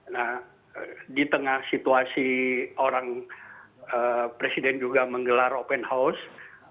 nah di tengah situasi orang presiden juga menggelar open house